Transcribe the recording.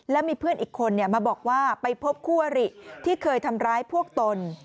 แล้วมีเพื่อนอีกคนมาบอกว่าไปพบคู่อริที่เคยทำร้ายพวกตน